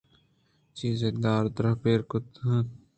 چیزے دار ءِ درپ ایراِت اَنت